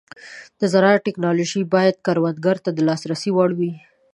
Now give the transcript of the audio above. د زراعت ټيکنالوژي باید کروندګرو ته د لاسرسي وړ وي.